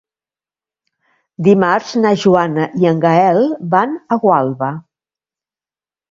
Dimarts na Joana i en Gaël van a Gualba.